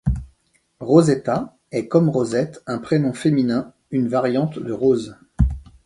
Rosetta est comme Rosette un prénom féminin, une variante de Rose.